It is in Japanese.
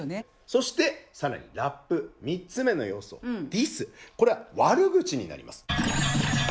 そして更にラップ３つ目の要素「ディス」これは悪口になります。